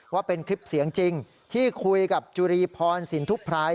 ว่าเป็นคลิปเสียงจริงที่คุยกับจุรีพรสินทุพราย